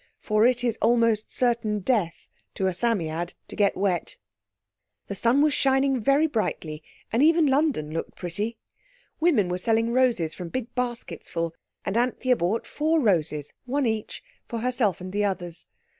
For it is almost certain death to a Psammead to get wet. The sun was shining very brightly, and even London looked pretty. Women were selling roses from big baskets full, and Anthea bought four roses, one each, for herself and the others.